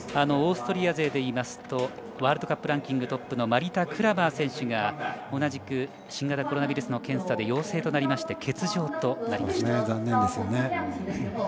オーストリア勢でいいますとワールドカップランキングトップマリタ・クラマー選手が同じく新型コロナウイルスの検査で陽性となって残念ですよね。